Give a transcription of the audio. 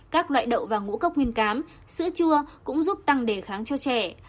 các loại đậu và ngũ cốc nguyên cám sữa chua cũng giúp tăng đề kháng cho trẻ